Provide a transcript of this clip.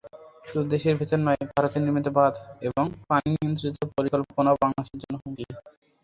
শুধু দেশের ভেতর নয়, ভারতে নির্মিত বাঁধ এবং পানিনিয়ন্ত্রণ পরিকল্পনাও বাংলাদেশের জন্য হুমকি।